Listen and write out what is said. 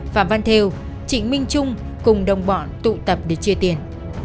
phạm văn theo trịnh minh trung cùng đồng bọn tụ tập để chia tiền